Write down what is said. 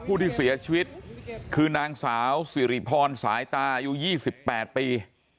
ผู้ที่เสียชีวิตคือนางสาวสิริพรสายตาอายุ๒๘ปี